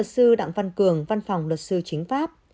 sư đặng văn cường văn phòng luật sư chính pháp